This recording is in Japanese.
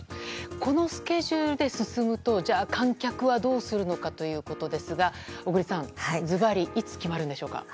このスケジュールで進むと観客はどうするのかということですが小栗さん、ずばりいつ決まるんでしょうか。